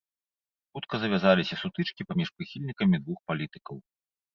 Хутка завязаліся сутычкі паміж прыхільнікамі двух палітыкаў.